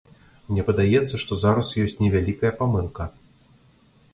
Мне падаецца, што зараз ёсць невялікая памылка.